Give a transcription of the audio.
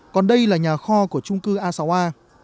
còn đây là nhà kho của trung cư asoa